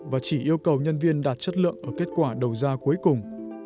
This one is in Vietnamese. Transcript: và chỉ yêu cầu nhân viên đạt chất lượng ở kết quả đầu ra cuối cùng